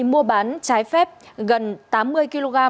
mua bán trái phép gần tám mươi kg